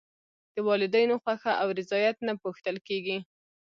د والدینو خوښه او رضایت نه پوښتل کېږي.